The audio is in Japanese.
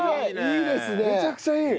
めちゃくちゃいい！